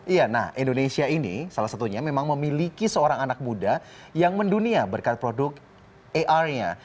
iya nah indonesia ini salah satunya memang memiliki seorang anak muda yang mendunia berkat produk ar nya